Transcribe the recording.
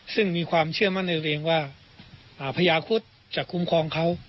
ซึ่งมีความเชื่อมั่นในตัวเองว่าพญาคุธจะคุ้มครองเขา